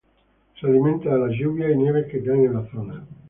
Se alimenta de las lluvias y nieves que caen en la zona.